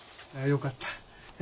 よかった。